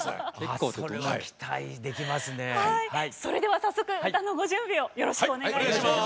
それでは早速歌のご準備をよろしくお願いいたします。